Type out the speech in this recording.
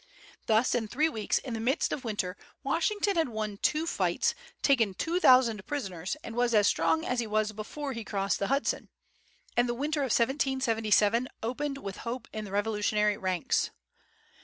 Thus in three weeks, in the midst of winter, Washington had won two fights, taken two thousand prisoners, and was as strong as he was before he crossed the Hudson, and the winter of 1777 opened with hope in the Revolutionary ranks.